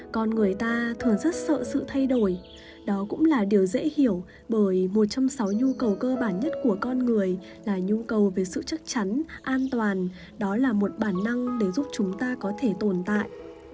con người ta thường rất sợ sự thay đổi đó cũng là điều dễ hiểu bởi một trong sáu nhu cầu cơ bản nhất của con người là nhu cầu về sự chắc chắn an toàn đó là một bản năng để giúp chúng ta có thể tồn tại